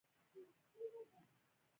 راکټ د ستورمزلو پروګرام بنسټ جوړ کړ